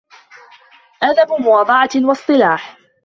أَدَبُ مُوَاضَعَةٍ وَاصْطِلَاحٍ